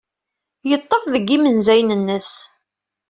Yeḍḍef deg yimenzayen-nnes.